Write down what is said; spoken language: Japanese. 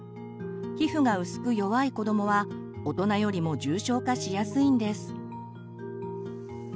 皮膚が薄く弱い子どもは大人よりも重症化しやすいんです。